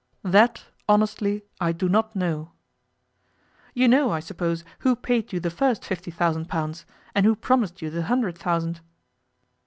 'That, honestly, I do not know.' 'You know, I suppose, who paid you the first fifty thousand pounds, and who promised you the hundred thousand.